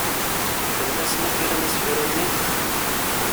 Fell-asen i turamt asefru-nni?